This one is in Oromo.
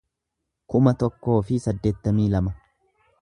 kuma tokkoo fi saddeettamii lama